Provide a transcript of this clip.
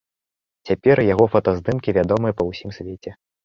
Цяпер яго фотаздымкі вядомыя па ўсім свеце.